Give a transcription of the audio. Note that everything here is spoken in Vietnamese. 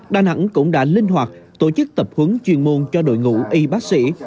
đà nẵng cũng đã linh hoạt tổ chức tập huấn chuyên môn cho đội ngũ y bác sĩ